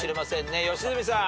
良純さん。